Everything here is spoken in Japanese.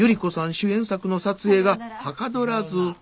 主演作の撮影がはかどらず。